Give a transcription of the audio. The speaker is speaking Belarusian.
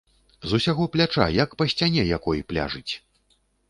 З усяго пляча, як па сцяне якой, пляжыць.